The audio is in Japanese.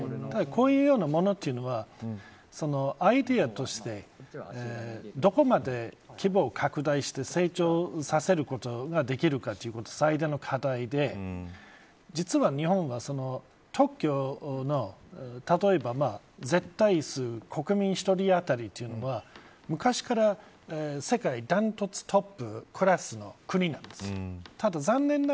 こういうようなものというのはアイデアとしてどこまで規模を拡大して成長させることができるかということは最大の課題で実は、日本はその特許の例えば、絶対数国民１人当たりというのは昔から世界断トツ、トップクラスの国なんです。